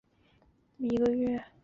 首府锡拉库萨。